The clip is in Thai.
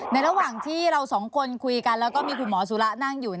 ระหว่างที่เราสองคนคุยกันแล้วก็มีคุณหมอสุระนั่งอยู่